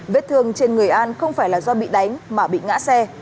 vết thương trên người an không phải là do bị đánh mà bị ngã xe